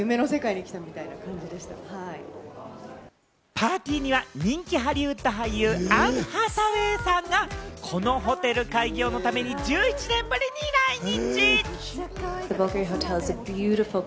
パーティーには人気ハリウッド俳優、アン・ハサウェイさんがこのホテル開業のために１１年ぶりに来日！